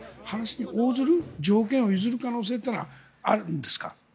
話に応ずる、条件を譲る可能性はあるんですか。